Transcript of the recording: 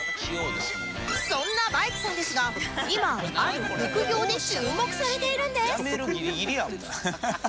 そんなバイクさんですが今ある副業で注目されているんです